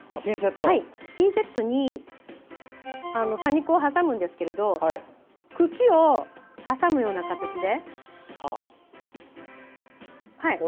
ピンセットに多肉を挟むんですが茎を挟むような形で。